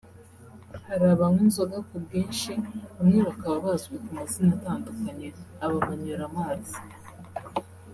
Hari abanywa inzoga ku bwinshi bamwe bakaba bazwi ku mazina atandukanye Abamanyuramazi